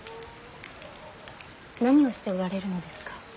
何をしておられるのですか。